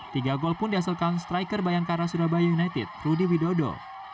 tiga gol pun dihasilkan striker bayangkara surabaya united rudy widodo